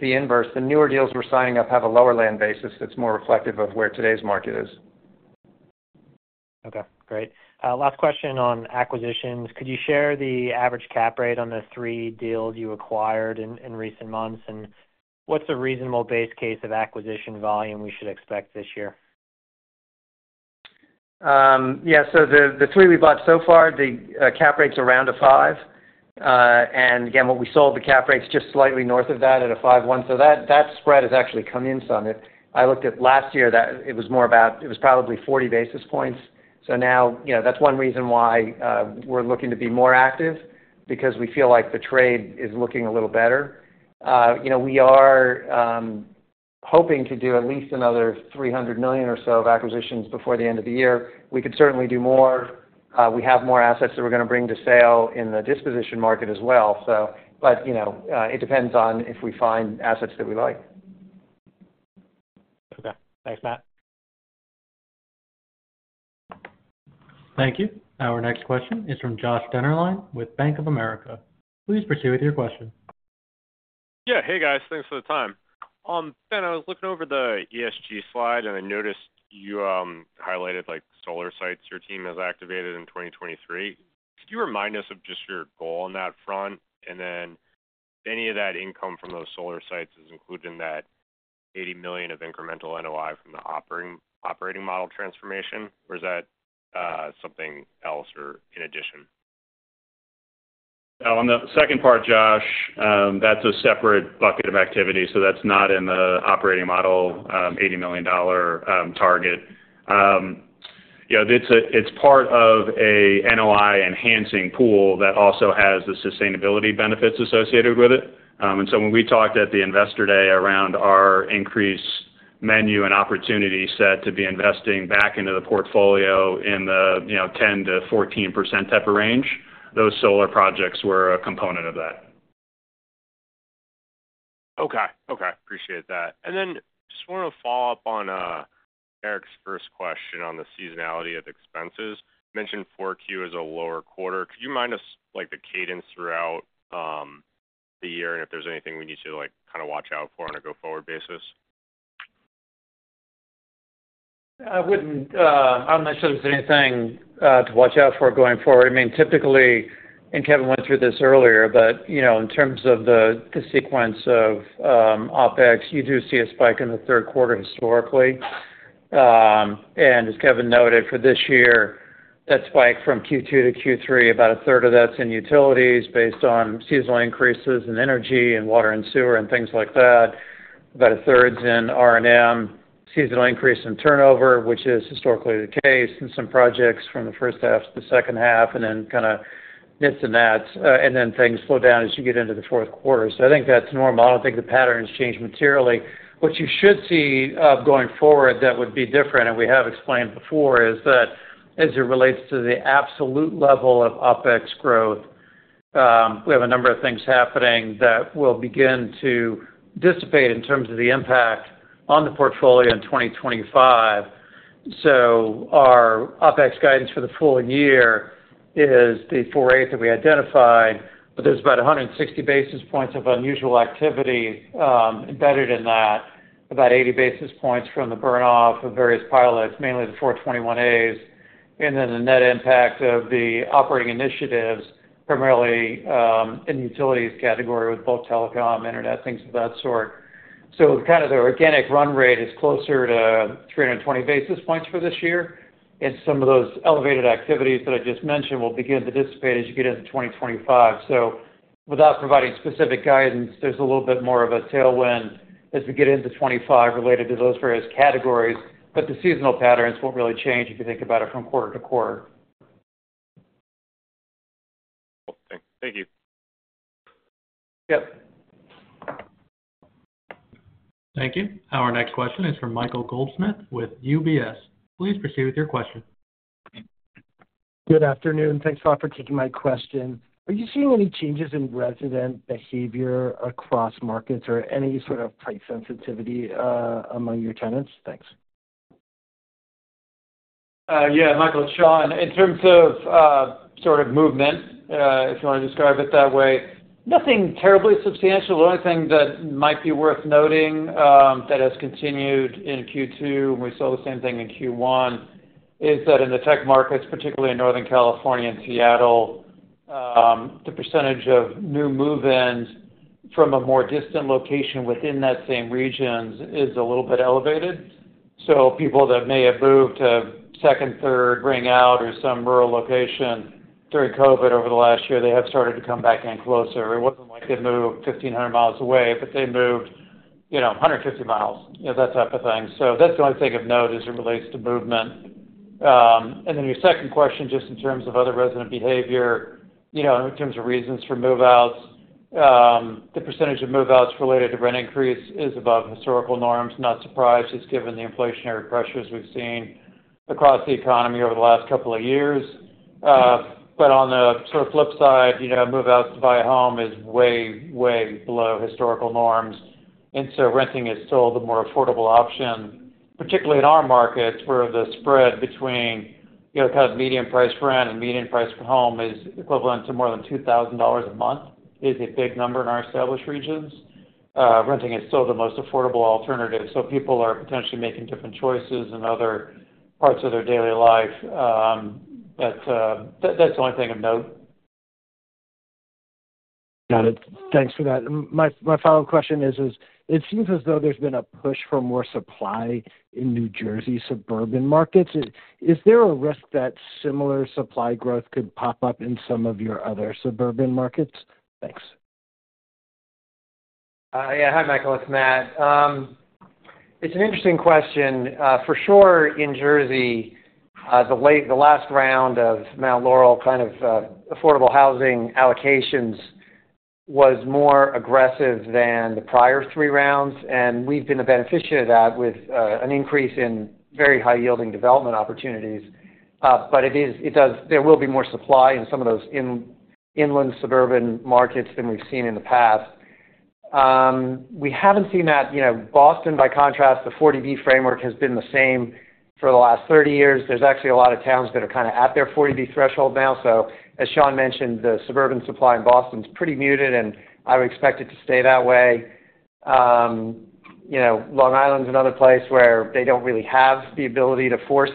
the inverse. The newer deals we're signing up have a lower land basis that's more reflective of where today's market is. Okay. Great. Last question on acquisitions. Could you share the average cap rate on the three deals you acquired in recent months? And what's a reasonable base case of acquisition volume we should expect this year? Yeah. So the three we bought so far, the cap rate's around 5. And again, what we sold, the cap rate's just slightly north of that at 5.1. So that spread has actually come in some. I looked at last year, it was more about it was probably 40 basis points. So now that's one reason why we're looking to be more active because we feel like the trade is looking a little better. We are hoping to do at least another $300 million or so of acquisitions before the end of the year. We could certainly do more. We have more assets that we're going to bring to sale in the disposition market as well. But it depends on if we find assets that we like. Okay. Thanks, Matt. Thank you. Our next question is from Josh Dennerlein with Bank of America. Please proceed with your question. Yeah. Hey, guys. Thanks for the time. Ben, I was looking over the ESG slide, and I noticed you highlighted solar sites your team has activated in 2023. Could you remind us of just your goal on that front? And then any of that income from those solar sites is included in that $80 million of incremental NOI from the operating model transformation, or is that something else or in addition? On the second part, Josh, that's a separate bucket of activity. So that's not in the operating model $80 million target. It's part of an NOI enhancing pool that also has the sustainability benefits associated with it. And so when we talked at the investor day around our increased menu and opportunity set to be investing back into the portfolio in the 10%-14% type of range, those solar projects were a component of that. Okay. Okay. Appreciate that. And then just want to follow up on Eric's first question on the seasonality of expenses. You mentioned 4Q is a lower quarter. Could you mind the cadence throughout the year and if there's anything we need to kind of watch out for on a go forward basis? I wouldn't necessarily say there's anything to watch out for going forward. I mean, typically, Kevin went through this earlier, but in terms of the sequence of OPEX, you do see a spike in the third quarter historically. As Kevin noted, for this year, that spike from Q2 to Q3, about a third of that's in utilities based on seasonal increases in energy and water and sewer and things like that. About a third's in R&M, seasonal increase in turnover, which is historically the case, and some projects from the first half to the second half, and then kind of nits and nats. Then things slow down as you get into the fourth quarter. So I think that's normal. I don't think the pattern has changed materially. What you should see going forward that would be different, and we have explained before, is that as it relates to the absolute level of OPEX growth, we have a number of things happening that will begin to dissipate in terms of the impact on the portfolio in 2025. So our OPEX guidance for the full year is the 48 that we identified, but there's about 160 basis points of unusual activity embedded in that, about 80 basis points from the burn-off of various pilots, mainly the 421-As, and then the net impact of the operating initiatives, primarily in the utilities category with both telecom, internet, things of that sort. So kind of the organic run rate is closer to 320 basis points for this year. And some of those elevated activities that I just mentioned will begin to dissipate as you get into 2025. Without providing specific guidance, there's a little bit more of a tailwind as we get into 2025 related to those various categories. But the seasonal patterns won't really change if you think about it from quarter to quarter. Thank you. Yep. Thank you. Our next question is from Michael Goldsmith with UBS. Please proceed with your question. Good afternoon. Thanks a lot for taking my question. Are you seeing any changes in resident behavior across markets or any sort of price sensitivity among your tenants? Thanks. Yeah. Michael it's Sean, in terms of sort of movement, if you want to describe it that way, nothing terribly substantial. The only thing that might be worth noting that has continued in Q2, and we saw the same thing in Q1, is that in the tech markets, particularly in Northern California and Seattle, the percentage of new move-ins from a more distant location within that same region is a little bit elevated. So people that may have moved to second, third, ring out, or some rural location during COVID over the last year, they have started to come back in closer. It wasn't like they moved 1,500 miles away, but they moved 150 miles, that type of thing. So that's the only thing of note as it relates to movement. And then your second question, just in terms of other resident behavior, in terms of reasons for move-outs, the percentage of move-outs related to rent increase is above historical norms. Not surprised, just given the inflationary pressures we've seen across the economy over the last couple of years. But on the sort of flip side, move-outs to buy a home is way, way below historical norms. And so renting is still the more affordable option, particularly in our markets where the spread between kind of median price for rent and median price for home is equivalent to more than $2,000 a month is a big number in our established regions. Renting is still the most affordable alternative. So people are potentially making different choices in other parts of their daily life. But that's the only thing of note. Got it. Thanks for that. My follow-up question is, it seems as though there's been a push for more supply in New Jersey suburban markets. Is there a risk that similar supply growth could pop up in some of your other suburban markets? Thanks. Yeah. Hi, Michael. It's Matt. It's an interesting question. For sure, in Jersey, the last round of Mount Laurel kind of affordable housing allocations was more aggressive than the prior 3 rounds. And we've been a beneficiary of that with an increase in very high-yielding development opportunities. But there will be more supply in some of those inland suburban markets than we've seen in the past. We haven't seen that. Boston, by contrast, the 40B framework has been the same for the last 30 years. There's actually a lot of towns that are kind of at their 40B threshold now. So as Sean mentioned, the suburban supply in Boston is pretty muted, and I would expect it to stay that way. Long Island's another place where they don't really have the ability to force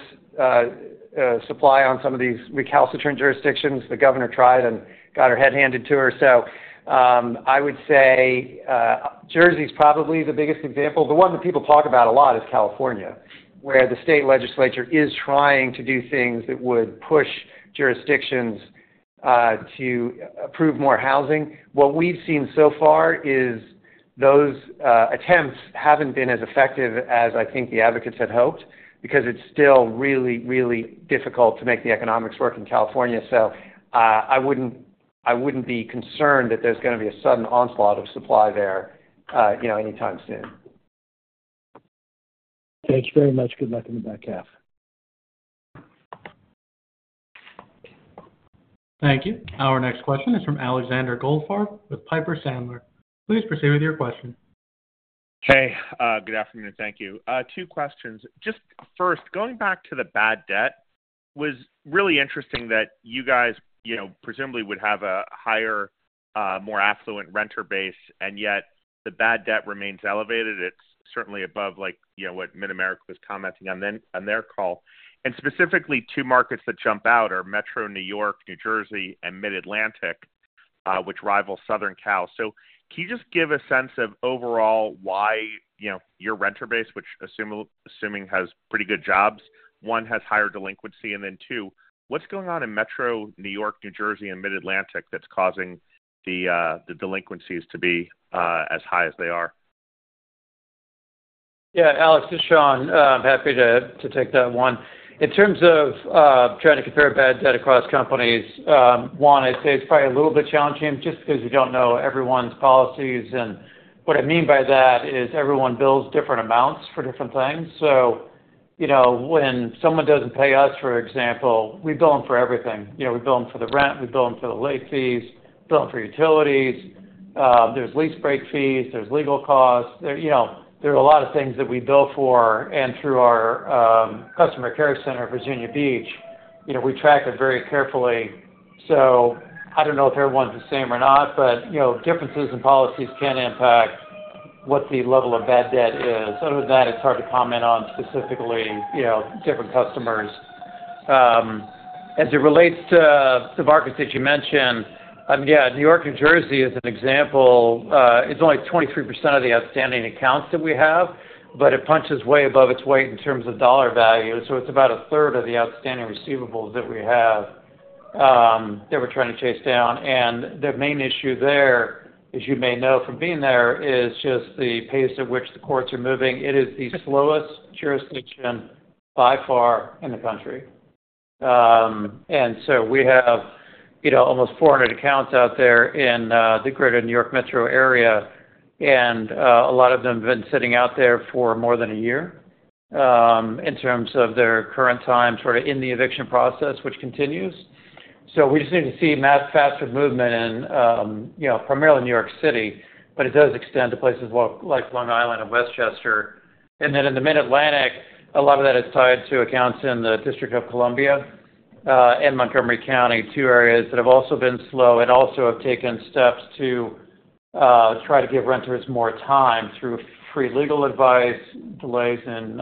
supply on some of these recalcitrant jurisdictions. The governor tried and got her head handed to her. So I would say Jersey's probably the biggest example. The one that people talk about a lot is California, where the state legislature is trying to do things that would push jurisdictions to approve more housing. What we've seen so far is those attempts haven't been as effective as I think the advocates had hoped because it's still really, really difficult to make the economics work in California. So I wouldn't be concerned that there's going to be a sudden onslaught of supply there anytime soon. Thanks very much. Good luck in the back half. Thank you. Our next question is from Alexander Goldfarb with Piper Sandler. Please proceed with your question. Hey. Good afternoon. Thank you. Two questions. Just first, going back to the bad debt, it was really interesting that you guys presumably would have a higher, more affluent renter base, and yet the bad debt remains elevated. It's certainly above what Mid-America was commenting on their call. And specifically, two markets that jump out are Metro New York-New Jersey and Mid-Atlantic, which rival Southern Cal. So can you just give a sense of overall why your renter base, which assuming has pretty good jobs, one, has higher delinquency, and then two, what's going on in Metro New York-New Jersey and Mid-Atlantic that's causing the delinquencies to be as high as they are? Yeah. Alex, this is Sean. I'm happy to take that one. In terms of trying to compare bad debt across companies, one, I'd say it's probably a little bit challenging just because we don't know everyone's policies. And what I mean by that is everyone bills different amounts for different things. So when someone doesn't pay us, for example, we bill them for everything. We bill them for the rent. We bill them for the late fees. We bill them for utilities. There's lease break fees. There's legal costs. There are a lot of things that we bill for. And through our customer care center at Virginia Beach, we track it very carefully. So I don't know if everyone's the same or not, but differences in policies can impact what the level of bad debt is. Other than that, it's hard to comment on specifically different customers. As it relates to the markets that you mentioned, I mean, yeah, New York, New Jersey is an example. It's only 23% of the outstanding accounts that we have, but it punches way above its weight in terms of dollar value. So it's about a third of the outstanding receivables that we have that we're trying to chase down. And the main issue there, as you may know from being there, is just the pace at which the courts are moving. It is the slowest jurisdiction by far in the country. And so we have almost 400 accounts out there in the greater New York metro area. And a lot of them have been sitting out there for more than a year in terms of their current time sort of in the eviction process, which continues. So we just need to see more faster movement in primarily New York City, but it does extend to places like Long Island and Westchester. And then in the Mid-Atlantic, a lot of that is tied to evictions in the District of Columbia and Montgomery County, two areas that have also been slow and also have taken steps to try to give renters more time through free legal advice, delays in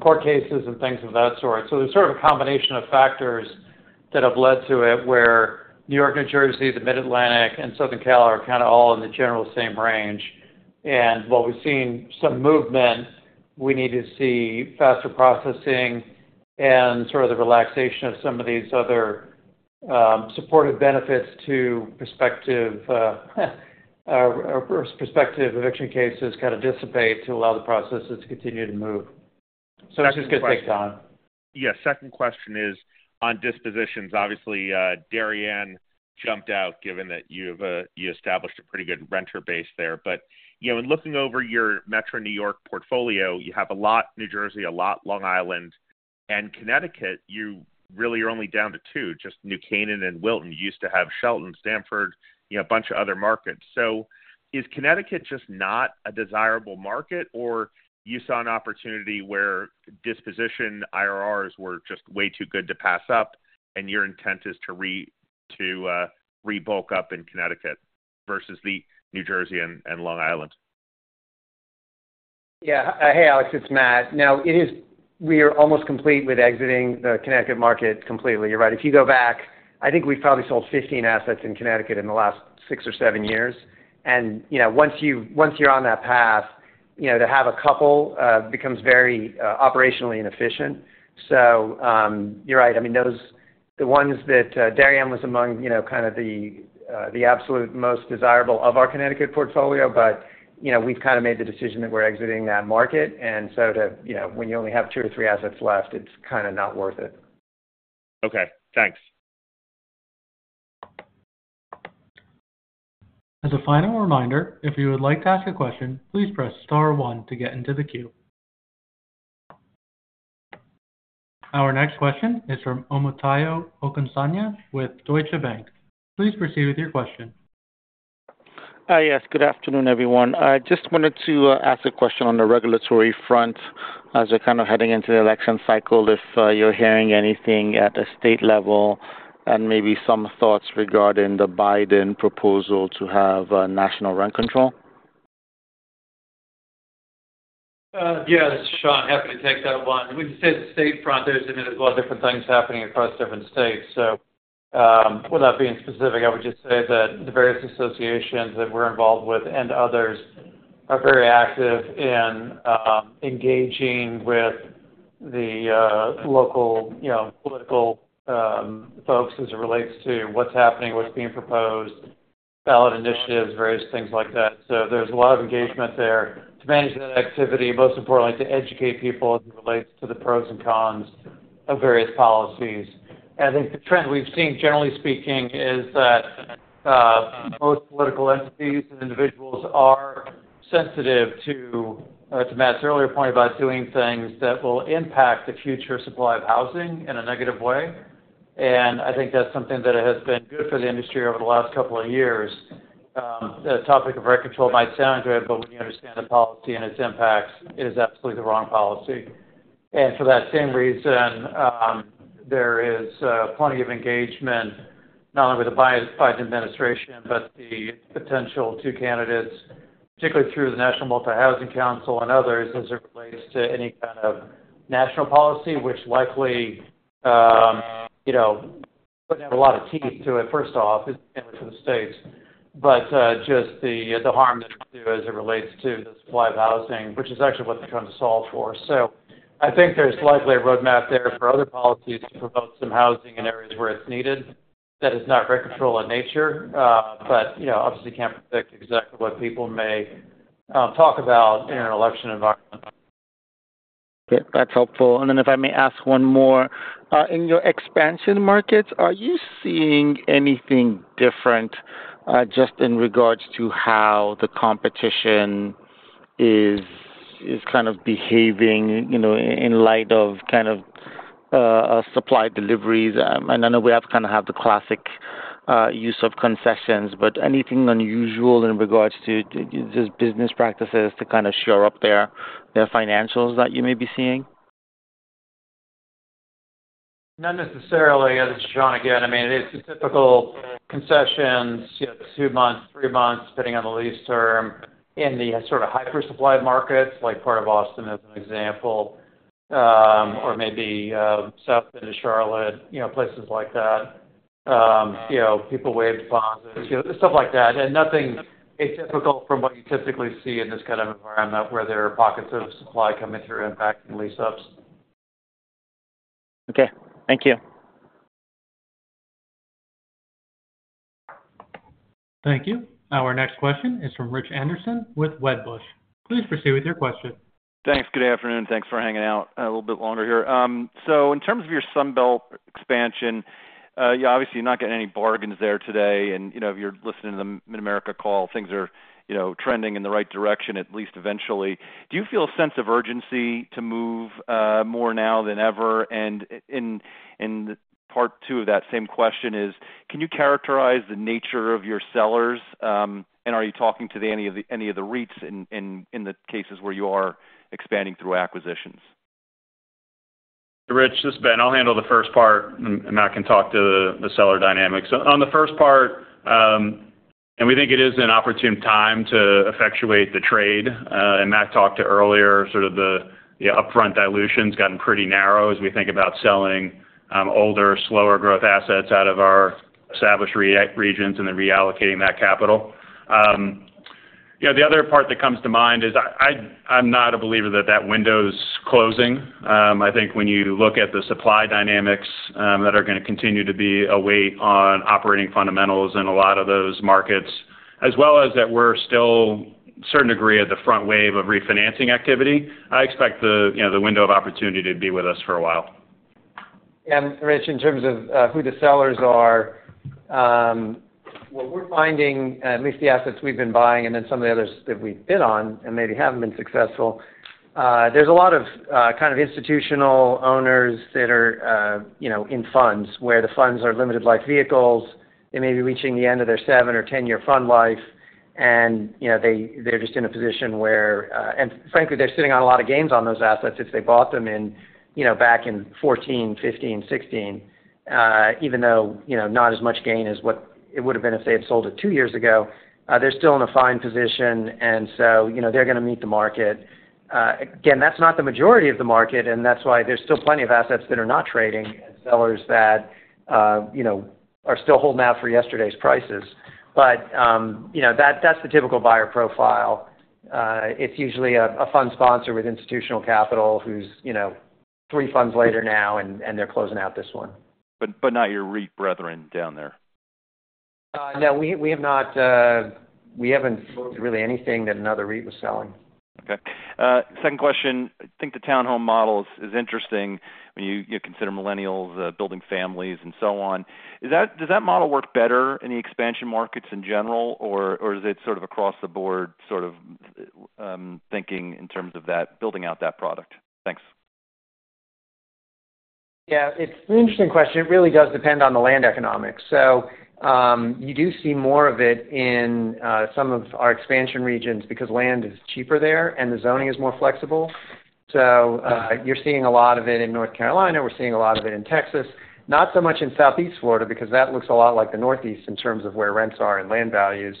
court cases, and things of that sort. So there's sort of a combination of factors that have led to it where New York, New Jersey, the Mid-Atlantic, and Southern Cal are kind of all in the general same range. And while we've seen some movement, we need to see faster processing and sort of the relaxation of some of these other supportive benefits to prospective eviction cases kind of dissipate to allow the processes to continue to move. It's just going to take time. Yeah. Second question is on dispositions. Obviously, Darien jumped out given that you established a pretty good renter base there. But in looking over your Metro New York portfolio, you have a lot New Jersey, a lot Long Island, and Connecticut. You really are only down to two, just New Canaan and Wilton. You used to have Shelton, Stamford, a bunch of other markets. So is Connecticut just not a desirable market, or you saw an opportunity where disposition IRRs were just way too good to pass up, and your intent is to rebulk up in Connecticut versus New Jersey and Long Island? Yeah. Hey, Alex. It's Matt. Now, we are almost complete with exiting the Connecticut market completely. You're right. If you go back, I think we've probably sold 15 assets in Connecticut in the last six or seven years. And once you're on that path, to have a couple becomes very operationally inefficient. So you're right. I mean, the ones that Darien was among kind of the absolute most desirable of our Connecticut portfolio, but we've kind of made the decision that we're exiting that market. And so when you only have two or three assets left, it's kind of not worth it. Okay. Thanks. As a final reminder, if you would like to ask a question, please press star one to get into the queue. Our next question is from Omotayo Okusanya with Deutsche Bank. Please proceed with your question. Yes. Good afternoon, everyone. I just wanted to ask a question on the regulatory front as we're kind of heading into the election cycle if you're hearing anything at the state level and maybe some thoughts regarding the Biden proposal to have national rent control? Yes. It's Sean, happy to take that one. When you say the state front, there's a lot of different things happening across different states. So without being specific, I would just say that the various associations that we're involved with and others are very active in engaging with the local political folks as it relates to what's happening, what's being proposed, ballot initiatives, various things like that. So there's a lot of engagement there to manage that activity, most importantly, to educate people as it relates to the pros and cons of various policies. And I think the trend we've seen, generally speaking, is that most political entities and individuals are sensitive to Matt's earlier point about doing things that will impact the future supply of housing in a negative way. And I think that's something that has been good for the industry over the last couple of years. The topic of rent control might sound good, but when you understand the policy and its impacts, it is absolutely the wrong policy. And for that same reason, there is plenty of engagement not only with the Biden administration but the potential two candidates, particularly through the National Multi-Housing Council and others, as it relates to any kind of national policy, which likely would have a lot of teeth to it, first off, especially for the states, but just the harm that it could do as it relates to the supply of housing, which is actually what they're trying to solve for. So I think there's likely a roadmap there for other policies to promote some housing in areas where it's needed that is not rent control in nature. But obviously, you can't predict exactly what people may talk about in an election environment. Okay. That's helpful. And then if I may ask one more, in your expansion markets, are you seeing anything different just in regards to how the competition is kind of behaving in light of kind of supply deliveries? I know we kind of have the classic use of concessions, but anything unusual in regards to just business practices to kind of shore up their financials that you may be seeing? Not necessarily. As Sean again, I mean, it's the typical concessions, two months, three months, depending on the lease term in the sort of hyper-supply markets, like part of Austin as an example, or maybe south into Charlotte, places like that. People waive deposits, stuff like that. Nothing atypical from what you typically see in this kind of environment where there are pockets of supply coming through impacting lease-ups. Okay. Thank you. Thank you. Our next question is from Rich Anderson with Wedbush. Please proceed with your question. Thanks. Good afternoon. Thanks for hanging out a little bit longer here. So in terms of your Sunbelt expansion, obviously, you're not getting any bargains there today. And if you're listening to the Mid-America call, things are trending in the right direction, at least eventually. Do you feel a sense of urgency to move more now than ever? And in part two of that same question is, can you characterize the nature of your sellers? And are you talking to any of the REITs in the cases where you are expanding through acquisitions? Rich, this is Ben. I'll handle the first part, and Matt can talk to the seller dynamics. On the first part, we think it is an opportune time to effectuate the trade. Matt talked to earlier, sort of the upfront dilution has gotten pretty narrow as we think about selling older, slower-growth assets out of our established regions and then reallocating that capital. The other part that comes to mind is I'm not a believer that that window is closing. I think when you look at the supply dynamics that are going to continue to be a weight on operating fundamentals in a lot of those markets, as well as that we're still a certain degree at the front wave of refinancing activity, I expect the window of opportunity to be with us for a while. Yeah. Rich, in terms of who the sellers are, what we're finding, at least the assets we've been buying and then some of the others that we've bid on and maybe haven't been successful, there's a lot of kind of institutional owners that are in funds where the funds are limited-life vehicles. They may be reaching the end of their 7- or 10-year fund life, and they're just in a position where and frankly, they're sitting on a lot of gains on those assets if they bought them back in 2014, 2015, 2016, even though not as much gain as what it would have been if they had sold it two years ago. They're still in a fine position, and so they're going to meet the market. Again, that's not the majority of the market, and that's why there's still plenty of assets that are not trading and sellers that are still holding out for yesterday's prices. But that's the typical buyer profile. It's usually a fund sponsor with institutional capital who's three funds later now, and they're closing out this one. But not your REIT brethren down there? No, we haven't moved really anything that another REIT was selling. Okay. Second question. I think the townhome model is interesting when you consider millennials building families and so on. Does that model work better in the expansion markets in general, or is it sort of across the board sort of thinking in terms of building out that product? Thanks. Yeah. It's an interesting question. It really does depend on the land economics. So you do see more of it in some of our expansion regions because land is cheaper there, and the zoning is more flexible. So you're seeing a lot of it in North Carolina. We're seeing a lot of it in Texas. Not so much in Southeast Florida because that looks a lot like the Northeast in terms of where rents are and land values,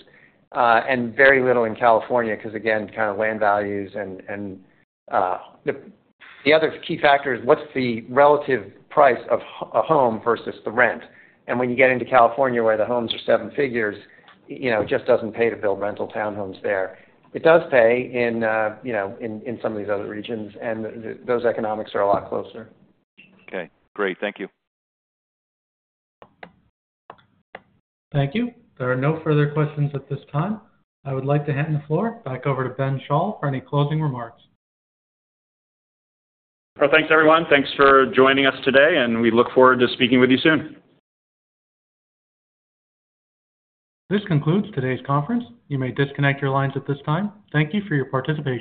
and very little in California because, again, kind of land values and the other key factor is what's the relative price of a home versus the rent. And when you get into California where the homes are seven figures, it just doesn't pay to build rental townhomes there. It does pay in some of these other regions, and those economics are a lot closer. Okay. Great. Thank you. Thank you. There are no further questions at this time. I would like to hand the floor back over to Ben Schall for any closing remarks. Thanks, everyone. Thanks for joining us today, and we look forward to speaking with you soon. This concludes today's conference. You may disconnect your lines at this time. Thank you for your participation.